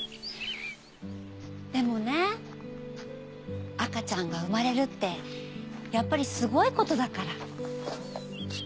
でもね赤ちゃんが生まれるってやっぱりすごいことだから。